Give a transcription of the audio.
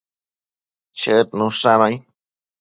Chëd nushannuai